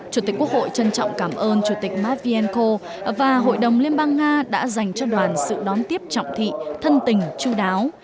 chủ tịch quốc hội trân trọng cảm ơn chủ tịch matvienko và hội đồng liên bang nga đã dành cho đoàn sự đón tiếp trọng thị thân tình chú đáo